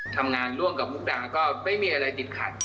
ทำงานร่วมกับมุกดาก็ไม่มีอะไรติดขัด